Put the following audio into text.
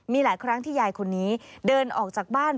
มีหลายครั้งที่ยายคนนี้เดินออกจากบ้าน